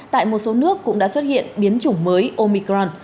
tại một số nước cũng đã xuất hiện biến chủng mới omicron